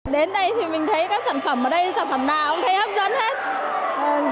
đến đây thì mình thấy các sản phẩm ở đây sản phẩm nào cũng thấy hấp dẫn hết